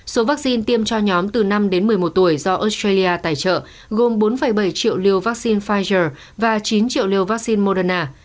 số vaccine tiêm cho nhóm từ năm đến một mươi một tuổi do australia tài trợ gồm bốn bảy triệu liều vaccine pfizer và chín triệu liều vaccine moderna